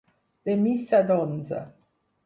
De missa d'onze.